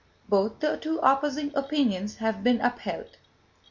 Both the two opposing opinions have been upheld.